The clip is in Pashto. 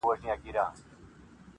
د کلي ژوند ظاهراً روان وي خو دننه مات,